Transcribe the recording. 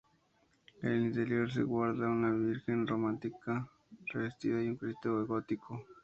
En el interior se guarda una virgen románica revestida y un cristo gótico.